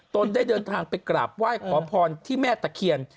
ได้เดินทางไปกราบไหว้ขอพรที่แม่ตะเคียน